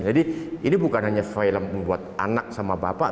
jadi ini bukan hanya film buat anak sama bapak